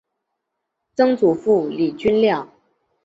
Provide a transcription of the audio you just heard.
曾祖父李均亮。